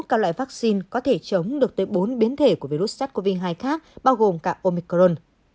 các loại vaccine có thể chống được tới bốn biến thể của virus sars cov hai khác bao gồm cả omicron